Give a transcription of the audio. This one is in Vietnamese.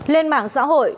lên mảng xã hội